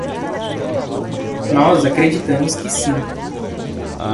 Nós acreditamos que sim.